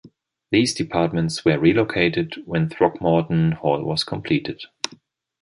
These departments were relocated when Throckmorton Hall was completed.